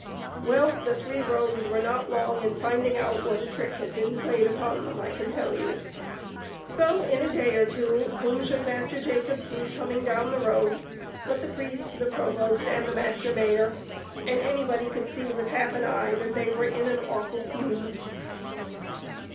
Well, the three rogues were not long in finding out what a trick had been played upon them, I can tell you. So, in a day or two, whom should Master Jacob see coming down the road but the priest, the provost, and the master mayor, and anybody could see with half an eye that they were in an awful fume.